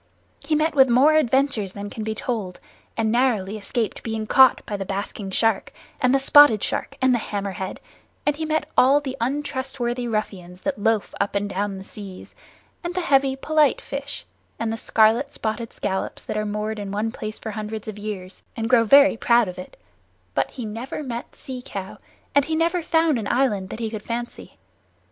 He met with more adventures than can be told, and narrowly escaped being caught by the Basking Shark, and the Spotted Shark, and the Hammerhead, and he met all the untrustworthy ruffians that loaf up and down the seas, and the heavy polite fish, and the scarlet spotted scallops that are moored in one place for hundreds of years, and grow very proud of it; but he never met Sea Cow, and he never found an island that he could fancy.